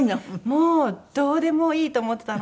もうどうでもいいと思ってたので。